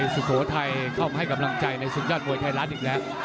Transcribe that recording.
สุโขทัยเข้ามาให้กำลังใจในศึกยอดมวยไทยรัฐอีกแล้ว